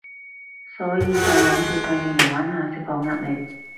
所以就諗住帶你嚟玩下，釋放壓力